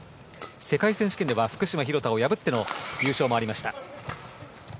世界選手権では福島、廣田を破っての優勝もありました。